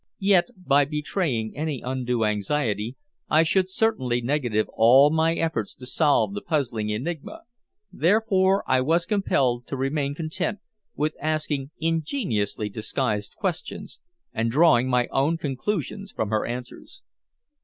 Yet by betraying any undue anxiety I should certainly negative all my efforts to solve the puzzling enigma, therefore I was compelled to remain content with asking ingeniously disguised questions and drawing my own conclusions from her answers.